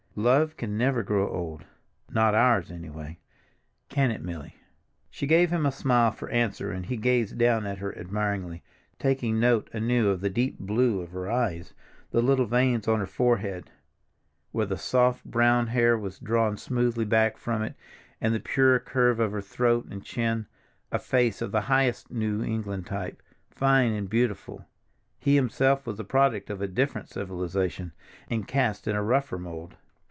Love can never grow old—not ours, anyway. Can it, Milly!" She gave him a smile for answer and he gazed down at her admiringly, taking note anew of the deep blue of her eyes, the little veins on her forehead, where the soft brown hair was drawn smoothly back from it, and the pure curve of her throat and chin—a face of the highest New England type, fine and beautiful. He himself was the product of a different civilization, and cast in a rougher mold.